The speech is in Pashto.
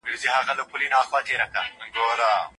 پاچا به په شرابو کې د افراط له امله بېسده و.